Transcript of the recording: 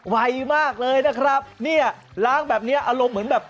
ไวมากเลยนะครับเนี่ยล้างแบบเนี้ยอารมณ์เหมือนแบบ